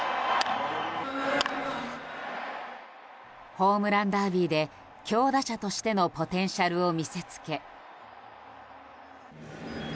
ホームランダービーで強打者としてのポテンシャルを見せつけ。